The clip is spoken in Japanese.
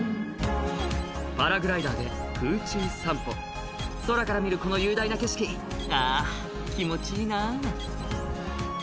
「パラグライダーで空中散歩」「空から見るこの雄大な景色あぁ気持ちいいな」